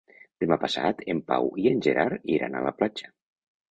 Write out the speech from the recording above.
Demà passat en Pau i en Gerard iran a la platja.